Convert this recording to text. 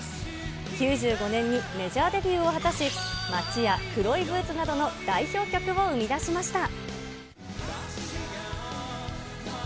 ９５年にメジャーデビューを果たし、街や黒いブーツなどの代表曲を生み出しました。